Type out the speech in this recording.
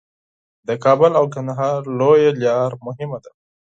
د کابل او کندهار لویه لار مهمه ده